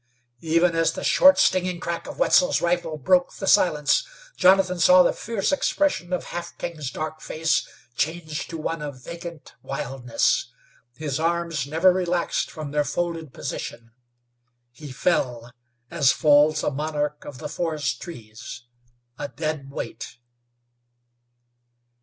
Even as the short, stinging crack of Wetzel's rifle broke the silence, Jonathan saw the fierce expression of Half King's dark face change to one of vacant wildness. His arms never relaxed from their folded position. He fell, as falls a monarch of the forest trees, a dead weight.